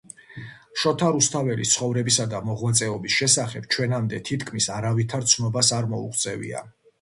შოთა რუსთაველის ცხოვრებისა და მოღვაწეობის შესახებ ჩვენამდე თითქმის არავითარ ცნობას არ მოუღწევია